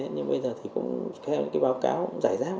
nhưng bây giờ thì cũng theo những cái báo cáo giải rác